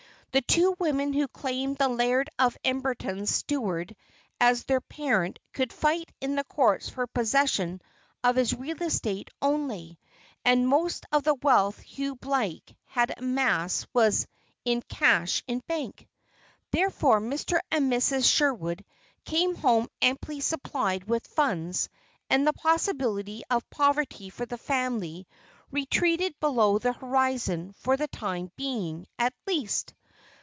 The two women who claimed the Laird of Emberon's steward as their parent could fight in the courts for possession of his real estate only; and most of the wealth Hughie Blake had amassed was in cash in bank. Therefore Mr. and Mrs. Sherwood came home amply supplied with funds and the possibility of poverty for the family retreated below the horizon for the time being, at least.